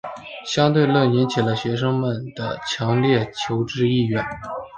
相对论引起了学生们的强烈求知意愿。